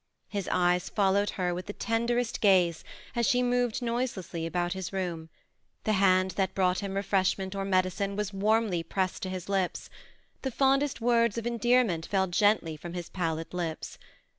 His eyes followed her with the ten derest gaze as she moved noiselessly about his room ; the hand that brought him refreshment or medicine was warmly pressed to his lips ; the fondest words of endear ment fell gently from his pallid lips.